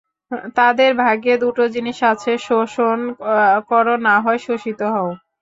তাদের ভাগ্যে দুটো জিনিস আছে, শোষণ করো নাহয় শোষিত হও।